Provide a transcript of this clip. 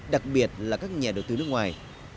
đặc biệt là các nhà đầu tư nước ngoài